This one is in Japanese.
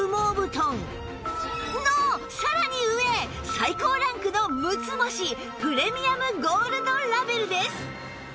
最高ランクの６つ星プレミアムゴールドラベルです